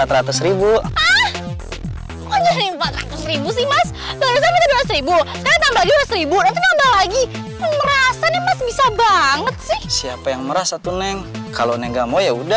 lagi merasa bisa banget sih siapa yang merasa tuh neng kalau nggak mau ya udah